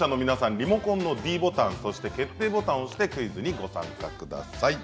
リモコンのｄボタンそして決定ボタンを押してクイズにご参加ください。